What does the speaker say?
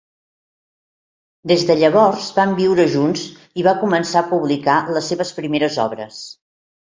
Des de llavors van viure junts i va començar a publicar les seves primeres obres.